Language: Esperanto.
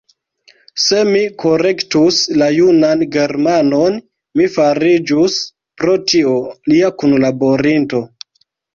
Se mi korektus la junan Germanon, mi fariĝus, pro tio, lia kunlaborinto.